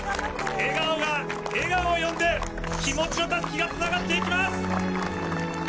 笑顔が、笑顔を呼んで、気持ちのたすきがつながっていきます。